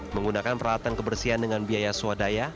menggunakan peralatan kebersihan dengan biaya swadaya